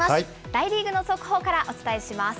大リーグの速報からお伝えします。